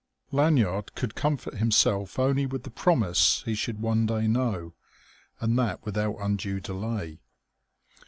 Lanyard could comfort himself only with the promise he should one day know, and that without undue delay.